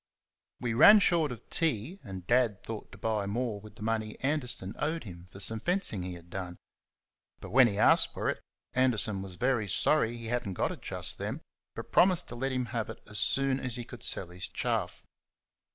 We ran short of tea, and Dad thought to buy more with the money Anderson owed him for some fencing he had done; but when he asked for it, Anderson was very sorry he had n't got it just then, but promised to let him have it as soon as he could sell his chaff.